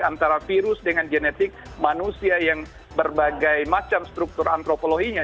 antara virus dengan genetik manusia yang berbagai macam struktur antropologinya